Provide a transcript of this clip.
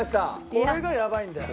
これがやばいんだよ。